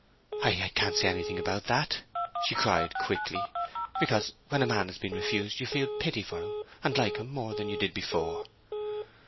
"I—I can't say anything about that!" she cried, quickly. "Because when a man has been refused you feel pity for him, and like him more than you did before."